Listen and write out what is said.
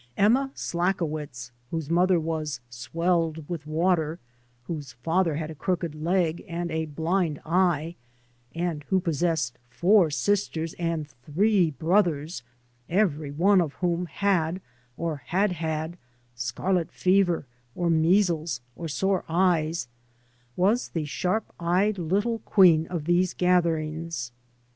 Emma Sacklowitz, ■whose mother " was swelled with water," whose father had a crooked leg and a blind eye, and who possessed four sisters and three brothers every one of whom had, or had had, scarlet fever or measles or sore eyes, was the sharp eyed little queen of these gather ings.